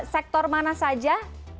sektor mana saja